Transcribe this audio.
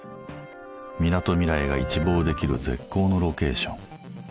みなとみらいが一望できる絶好のロケーション。